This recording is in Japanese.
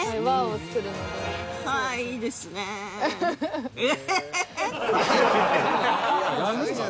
はあいいですねぇ。